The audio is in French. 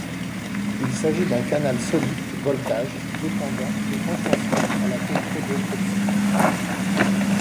Il s'agit d'un canal sodique voltage dépendant et insensible à la tétrodotoxine.